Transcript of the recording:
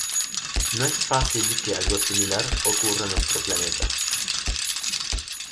No es fácil que algo similar ocurra en nuestro planeta.